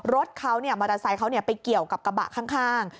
รถเขามอเตอร์ไซค์เขาไปเกี่ยวกับกระบะข้าง